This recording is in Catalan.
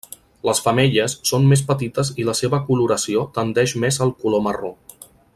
Les femelles són més petites i la seva coloració tendeix més al color marró.